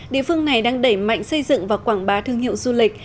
địa phương này đang đẩy mạnh xây dựng và quảng bá thương hiệu du lịch